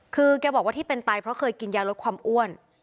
คือแกบอกที่เป็นไตกับเบาหวานเพราะเคยกินยาลดความอ้วน